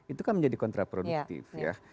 itu kan menjadi kontraproduktif ya